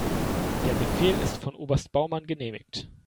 Der Befehl ist von Oberst Baumann genehmigt.